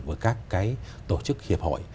với các tổ chức hiệp hội